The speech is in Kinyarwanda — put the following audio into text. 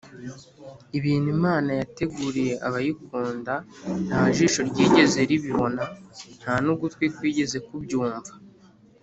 Ibintu Imana yateguriye abayikunda nta jisho ryigeze ribibona nta n’ugutwi kwigeze kubyumva